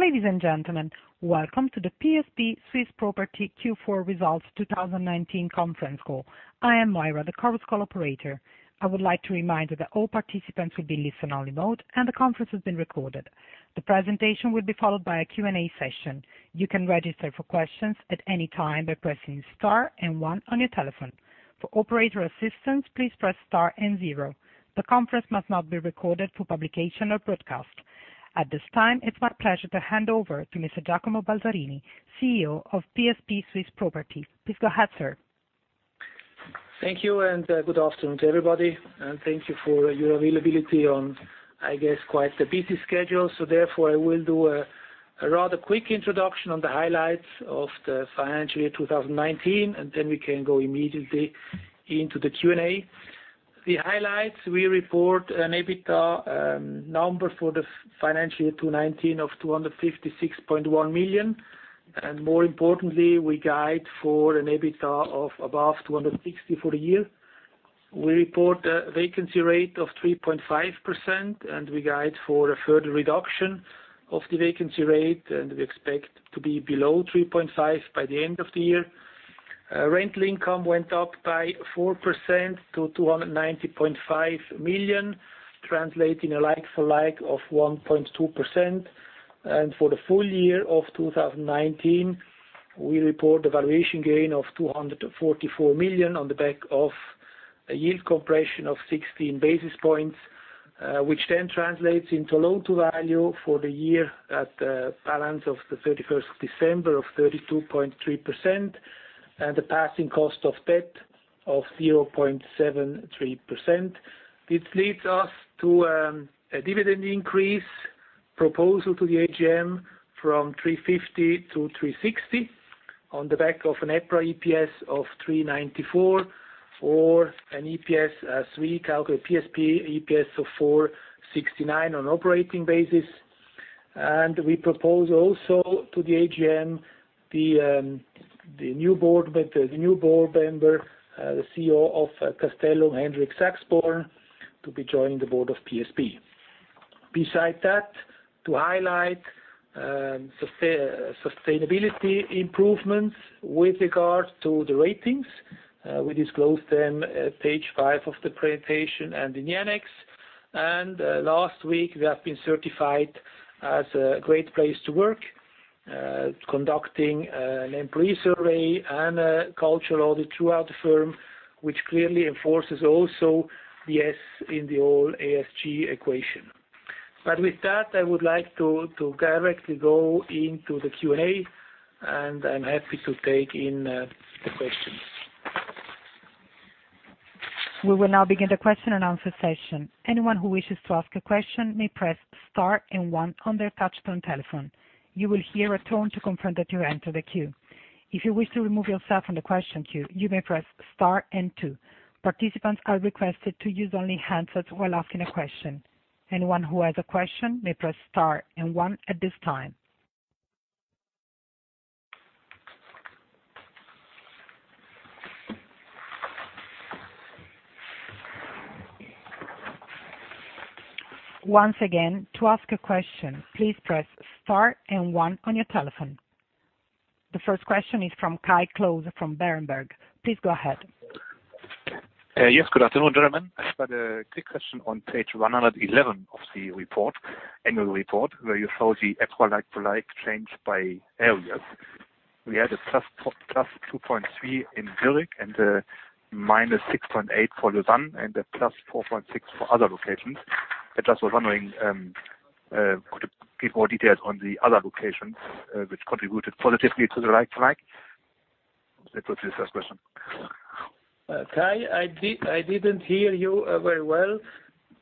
Ladies and gentlemen, welcome to the PSP Swiss Property Q4 Results 2019 Conference Call. I am Moira, the conference call operator. I would like to remind you that all participants will be in listen-only mode, and the conference is being recorded. The presentation will be followed by a Q&A session. You can register for questions at any time by pressing star and one on your telephone. For operator assistance, please press star and zero. The conference must not be recorded for publication or broadcast. At this time, it's my pleasure to hand over to Mr. Giacomo Balzarini, CEO of PSP Swiss Property. Please go ahead, sir. Thank you, good afternoon to everybody, and thank you for your availability on, I guess, quite the busy schedule. Therefore, I will do a rather quick introduction on the highlights of the financial year 2019, and then we can go immediately into the Q&A. The highlights, we report an EBITDA number for the financial year 2019 of 256.1 million. More importantly, we guide for an EBITDA of above 260 for the year. We report a vacancy rate of 3.5%, and we guide for a further reduction of the vacancy rate, and we expect to be below 3.5% by the end of the year. Rental income went up by 4% to 290.5 million, translating a like-for-like of 1.2%. For the full year of 2019, we report a valuation gain of 244 million on the back of a yield compression of 16 basis points, which then translates into a loan-to-value for the year at the balance of the 31st of December of 32.3%, and a passing cost of debt of 0.73%. This leads us to a dividend increase proposal to the AGM from 350 to 360 on the back of an EPRA EPS of 394 or a PSP EPS of 469 on operating basis. We propose also to the AGM, the new board member, the CEO of Castellum, Henrik Saxborn, to be joining the board of PSP. Besides that, to highlight sustainability improvements with regard to the ratings. We disclose them page five of the presentation and in the annex. Last week, we have been certified as a Great Place to Work, conducting an employee survey and a culture audit throughout the firm, which clearly enforces also the S in the whole ESG equation. With that, I would like to directly go into the Q&A, and I'm happy to take in the questions. We will now begin the question-and-answer session. Anyone who wishes to ask a question may press star and one on their touch-tone telephone. You will hear a tone to confirm that you entered the queue. If you wish to remove yourself from the question queue, you may press star and two. Participants are requested to use only handsets while asking a question. Anyone who has a question may press star and one at this time. Once again, to ask a question, please press star and one on your telephone. The first question is from Kai Klose from Berenberg. Please go ahead. Yes, good afternoon, gentlemen. I've got a quick question on page 111 of the annual report, where you show the EPRA like-for-like change by areas. We had a +2.3% in Zurich and a -6.8% for Lausanne, and a +4.6% for other locations. I just was wondering, could you give more details on the other locations which contributed positively to the like-for-like? That was the first question. Kai, I didn't hear you very well,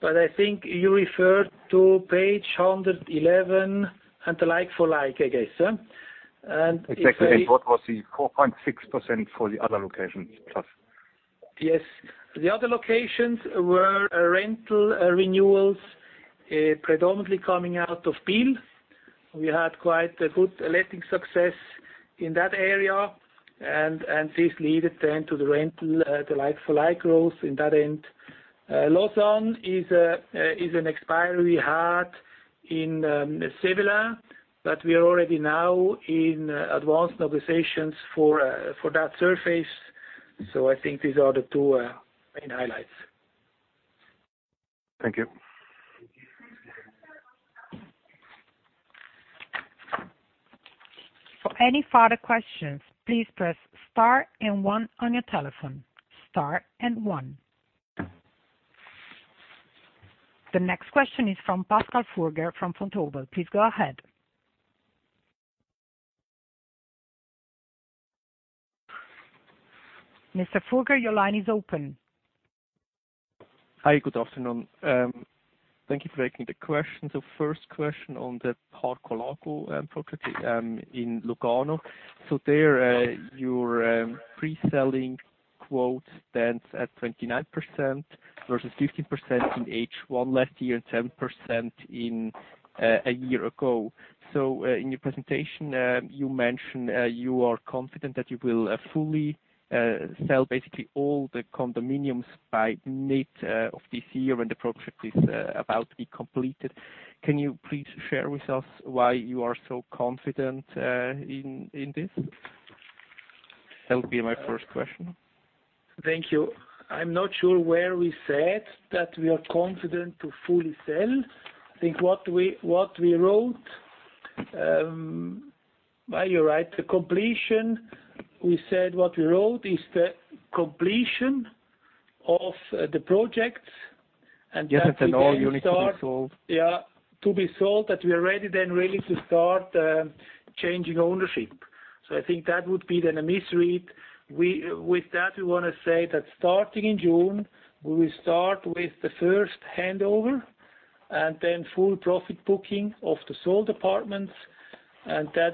but I think you referred to page 111 and the like-for-like, I guess, huh? Exactly. What was the 4.6% for the other locations plus? Yes. The other locations were rental renewals predominantly coming out of Biel. We had quite a good letting success in that area. This led it then to the rental, the like-for-like growth in that end. Lausanne is an expiry we had in Sévelin, we are already now in advanced negotiations for that surface. I think these are the two main highlights. Thank you. For any further questions, please press star and one on your telephone. Star and one. The next question is from Pascal Furger from Vontobel. Please go ahead. Mr. Furger, your line is open. Hi, good afternoon. Thank you for taking the question. First question on the Parco Lago property in Lugano. There, your pre-selling quote stands at 29% versus 15% in H1 last year and 10% a year ago. In your presentation, you mentioned you are confident that you will fully sell basically all the condominiums by mid of this year when the project is about to be completed. Can you please share with us why you are so confident in this? That'll be my first question. Thank you. I'm not sure where we said that we are confident to fully sell. I think what we wrote, you're right. What we wrote is the completion of the projects. Yes, all units to be sold. To be sold, that we are ready really to start changing ownership. I think that would be a misread. With that, we want to say that starting in June, we will start with the first handover, and full profit booking of the sold apartments,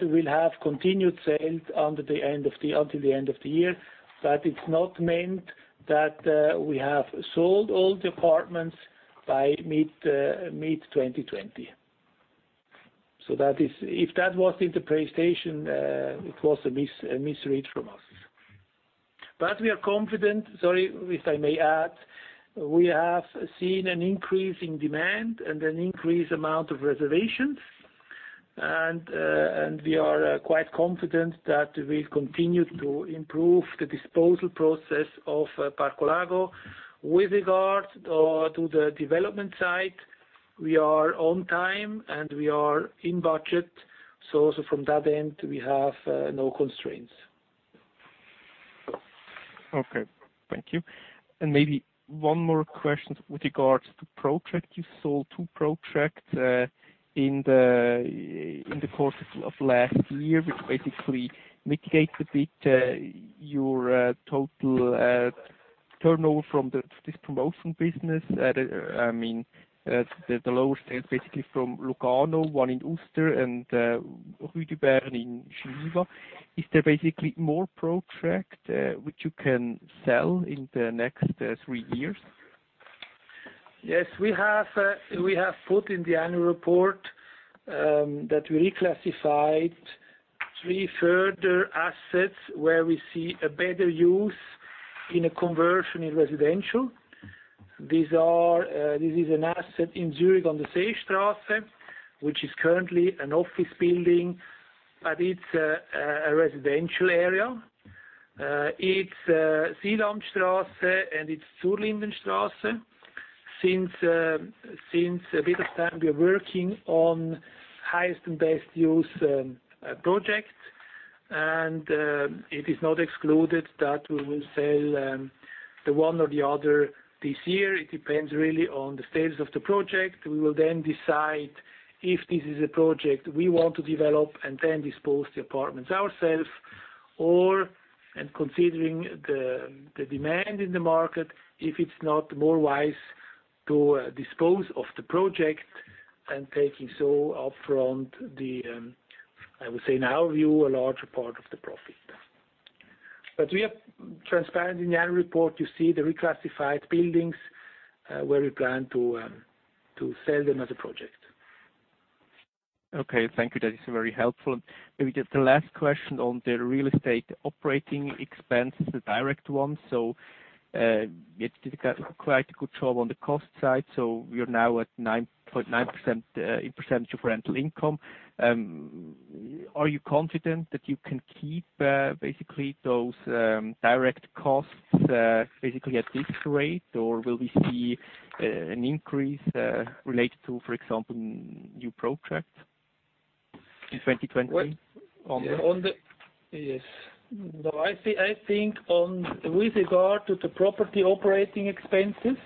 we'll have continued sales until the end of the year. It's not meant that we have sold all the apartments by mid-2020. If that was in the presentation, it was a misread from us. We are confident, sorry, if I may add. We have seen an increase in demand and an increased amount of reservations. We are quite confident that we'll continue to improve the disposal process of Parco Lago. With regard to the development side, we are on time, and we are in budget, from that end we have no constraints. Okay. Thank you. Maybe one more question with regards to project you sold. Two project in the course of last year, which basically mitigate a bit your total turnover from this promotion business. The lower sales basically from Locarno, one in Uster, and Rue de Berne in Geneva. Is there basically more project which you can sell in the next three years? Yes. We have put in the annual report that we reclassified three further assets where we see a better use in a conversion in residential. This is an asset in Zurich on the Seestrasse, which is currently an office building, but it's a residential area. It's Sihlaustrasse, and it's Zurlindenstrasse. Since a bit of time, we are working on highest and best use project. It is not excluded that we will sell the one or the other this year. It depends really on the status of the project. We will then decide if this is a project we want to develop and then dispose the apartments ourself, and considering the demand in the market, if it's not more wise to dispose of the project and taking so upfront the, I would say, in our view, a larger part of the profit. We are transparent. In the annual report you see the reclassified buildings, where we plan to sell them as a project. Okay. Thank you. That is very helpful. Maybe just the last question on the real estate operating expenses, the direct ones. You did quite a good job on the cost side. We are now at 9.9% in percentage of rental income. Are you confident that you can keep basically those direct costs basically at this rate, or will we see an increase related to, for example, new projects in 2020? Yes. No, I think with regard to the property operating expenses,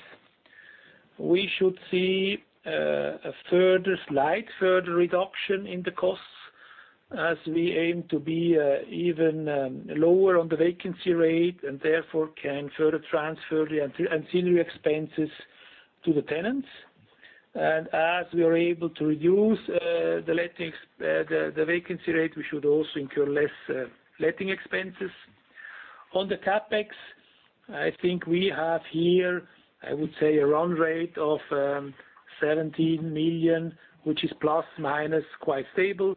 we should see a further slight reduction in the costs as we aim to be even lower on the vacancy rate, and therefore can further transfer the ancillary expenses to the tenants. As we are able to reduce the vacancy rate, we should also incur less letting expenses. On the CapEx, I think we have here, I would say, a run rate of 17 million, which is ± quite stable.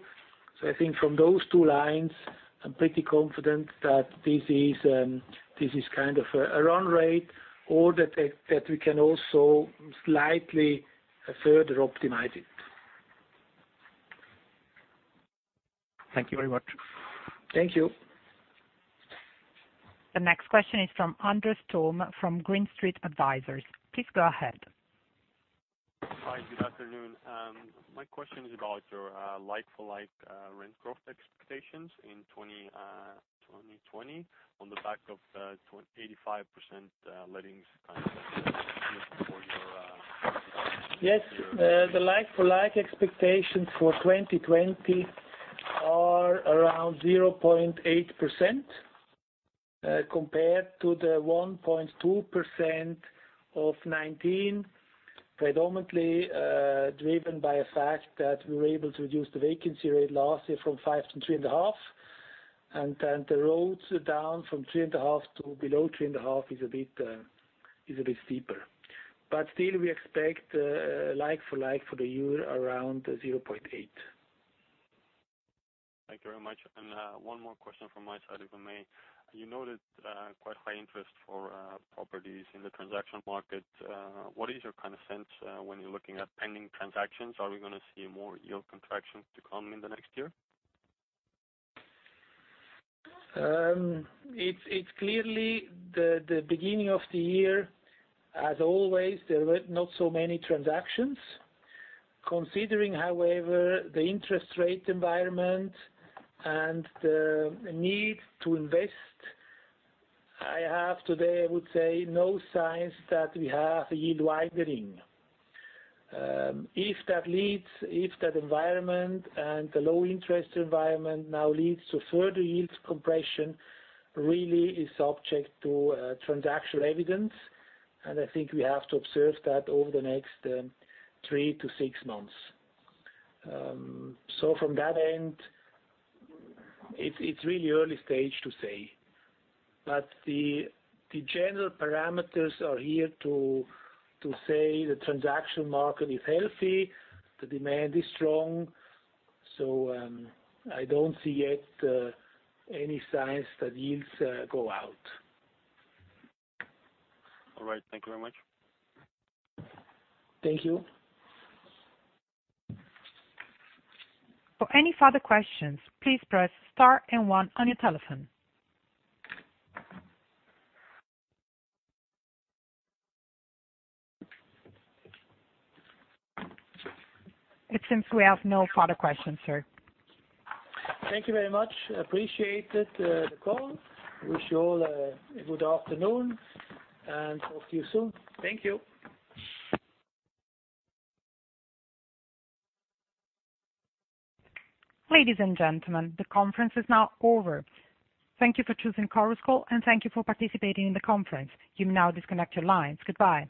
I think from those two lines, I'm pretty confident that this is kind of a run rate or that we can also slightly further optimize it. Thank you very much. Thank you. The next question is from Anders Toome, from Green Street Advisors. Please go ahead. Hi. Good afternoon. My question is about your like-for-like rent growth expectations in 2020 on the back of the 85% lettings for your- Yes. The like-for-like expectations for 2020 are around 0.8%, compared to the 1.2% of 2019. Predominantly driven by a fact that we were able to reduce the vacancy rate last year from 5%-3.5%. The roads down from 3.5% to below 3.5% Is a bit steeper. Still we expect like-for-like for the year around 0.8%. Thank you very much. One more question from my side, if I may. You noted quite high interest for- properties in the transaction market. What is your sense when you're looking at pending transactions? Are we going to see more yield compression to come in the next year? It's clearly the beginning of the year. As always, there were not so many transactions. Considering, however, the interest rate environment and the need to invest, I have today, I would say, no signs that we have a yield widening. If that environment and the low interest environment now leads to further yield compression, really is subject to transactional evidence, and I think we have to observe that over the next three to six months. From that end, it's really early stage to say. The general parameters are here to say the transaction market is healthy, the demand is strong. I don't see yet any signs that yields go out. All right. Thank you very much. Thank you. For any further questions, please press star and one on your telephone. It seems we have no further questions, sir. Thank you very much. Appreciated the call. Wish you all a good afternoon and talk to you soon. Thank you. Ladies and gentlemen, the conference is now over. Thank you for choosing Chorus Call and thank you for participating in the conference. You may now disconnect your lines. Goodbye.